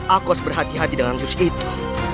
akos berhati hati dengan sus itu